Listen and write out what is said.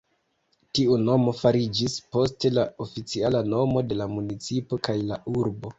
Tiu nomo fariĝis poste la oficiala nomo de la municipo kaj la urbo.